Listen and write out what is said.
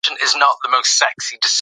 دا زموږ ارمان دی.